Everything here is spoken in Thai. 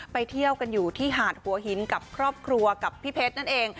เที่ยวกันอยู่ที่หาดหัวหินกับครอบครัวกับพี่เพชรนั่นเอง